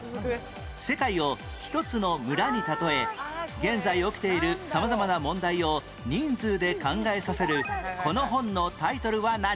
世界をひとつの村に例え現在起きている様々な問題を人数で考えさせるこの本のタイトルは何？